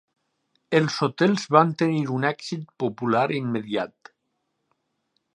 Els hotels van tenir un èxit popular immediat.